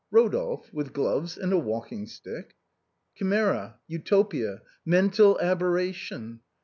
"Eodolphe with gloves and a walking stick. Chimera! Utopia ! mental aberration